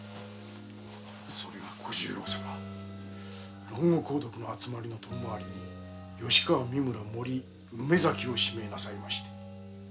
それが小十郎様論語の集まりの供まわりに吉川三村森梅崎を指名なさいまして。